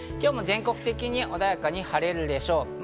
今日も全国的に穏やかに晴れるでしょう。